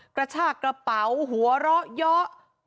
กระชากระเป๋าหัวเราะเยอะ